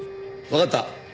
わかった。